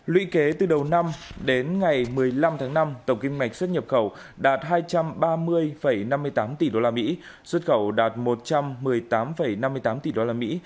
lũy kế từ đầu năm đến ngày một mươi năm tháng năm tổng kim ngạch xuất nhập khẩu đạt hai trăm ba mươi năm mươi tám tỷ đô la mỹ xuất khẩu đạt một trăm một mươi tám năm mươi tám tỷ đô la mỹ